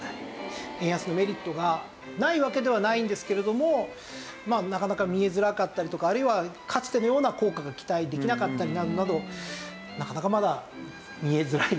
円安のメリットがないわけではないんですけれどもなかなか見えづらかったりとかあるいはかつてのような効果が期待できなかったりなどなどなかなかまだ見えづらいですね。